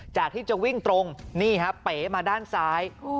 จากที่จะวิ่งตรงนี่ฮะเป๋มาด้านซ้าย